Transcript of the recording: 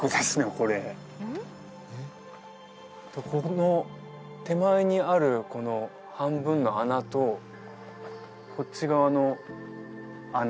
これここの手前にあるこの半分の穴とこっち側の穴